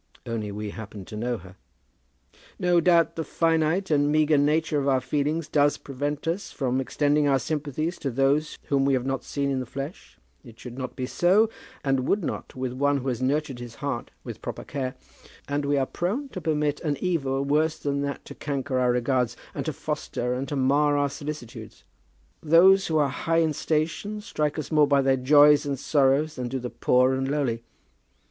"Only we happened to know her." "No doubt the finite and meagre nature of our feelings does prevent us from extending our sympathies to those whom we have not seen in the flesh. It should not be so, and would not with one who had nurtured his heart with proper care. And we are prone to permit an evil worse than that to canker our regards and to foster and to mar our solicitudes. Those who are high in station strike us more by their joys and sorrows than do the poor and lowly.